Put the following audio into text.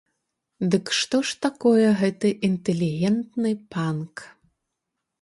Дык што ж такое гэты інтэлігентны панк?